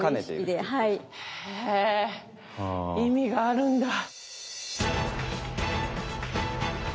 へぇ意味があるんだ。